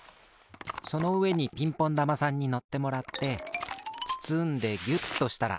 そのうえにピンポン玉さんにのってもらってつつんでギュッとしたら。